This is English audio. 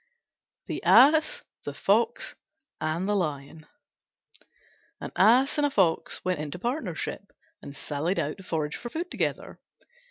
THE ASS, THE FOX, AND THE LION An Ass and a Fox went into partnership and sallied out to forage for food together.